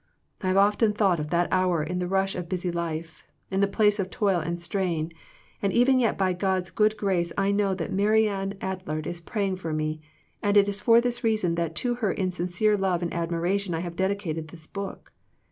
I have often thought of that hour in the rush of busy life, in the place of toil and strain, and even yet by God's good grace I know that Marianne Adlard is praying for me, and it is for this reason that to her in sincere love and ad miration I have dedicated this book.